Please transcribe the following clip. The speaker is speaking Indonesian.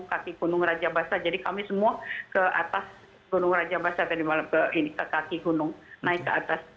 kaki gunung raja basah jadi kami semua ke atas gunung raja basah tadi malam ke kaki gunung naik ke atas